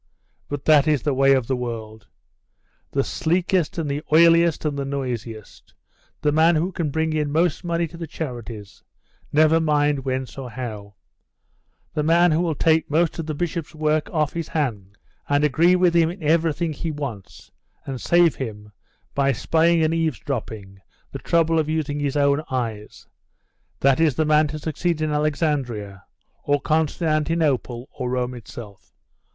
But that is the way of the world. The sleekest and the oiliest, and the noisiest; the man who can bring in most money to the charities, never mind whence or how; the man who will take most of the bishop's work off his hands, and agree with him in everything he wants, and save him, by spying and eavesdropping, the trouble of using his own eyes; that is the man to succeed in Alexandria, or Constantinople, or Rome itself.